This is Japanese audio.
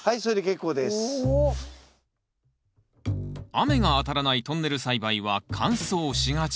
雨が当たらないトンネル栽培は乾燥しがち。